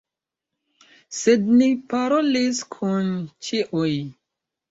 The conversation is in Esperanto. Sed ni parolis kun ĉiuj.